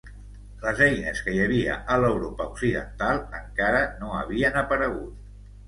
Les eines que hi havia a l'Europa occidental encara no havien aparegut.